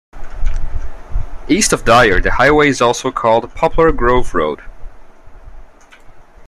East of Dyer the highway is also called Poplar Grove Road.